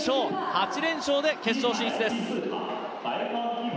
８連勝で決勝進出です。